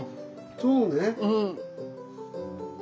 そうね。